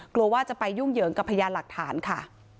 กลัวว่าจะไปยุ่งเหยิงกับพยานหลักฐานค่ะ